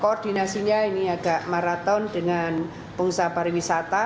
koordinasinya ini agak maraton dengan pengusaha pariwisata